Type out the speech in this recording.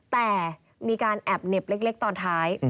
แต่มีการแอบเหน็บเล็กตอนท้าย